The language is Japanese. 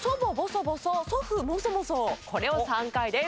これを３回です。